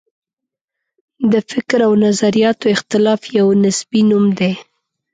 د فکر او نظریاتو اختلاف یو نصبي نوم دی.